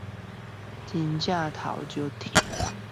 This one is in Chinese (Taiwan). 真的頭好痛